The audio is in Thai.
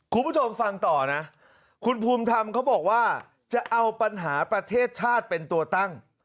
คุณผู้ชมฟังต่อนะคุณภูมิธรรมเขาบอกว่าจะเอาปัญหาประเทศชาติเป็นตัวตั้ง